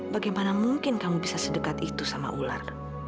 bagaimana mungkin kamu bisa sedekat itu sama ular